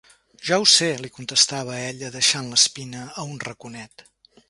Ja ho sé,—li contestava ella, deixant l'espina a un raconet.